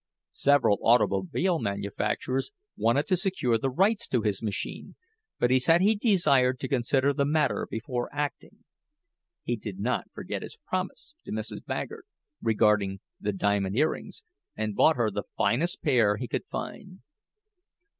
Several automobile manufacturers wanted to secure the rights to his machine, but he said he desired to consider the matter before acting. He did not forget his promise to Mrs. Baggert, regarding the diamond earrings, and bought her the finest pair he could find.